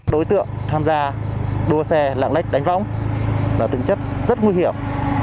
đối tượng tham gia đua xe lạng lách đánh võng là tính chất rất nguy hiểm